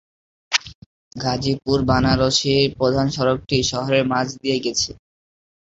ঘাজিপুর-বাণারসির প্রধান সড়কটি শহরের মাঝ দিয়ে গেছে।